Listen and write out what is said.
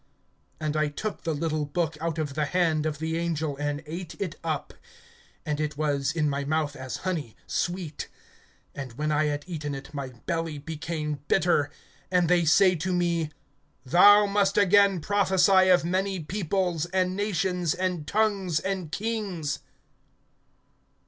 (10)And I took the little book out of the hand of the angel, and ate it up; and it was in my mouth as honey, sweet; and when I had eaten it, my belly became bitter. (11)And they say to me: Thou must again prophesy of many peoples, and nations, and tongues, and kings.